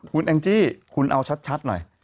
คุณแองจี้คุณเอาชัดหน่อย